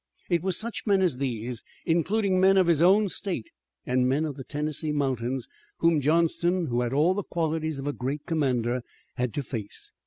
It was such men as these, including men of his own state, and men of the Tennessee mountains, whom Johnston, who had all the qualities of a great commander, had to face.